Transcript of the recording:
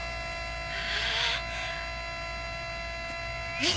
えっ？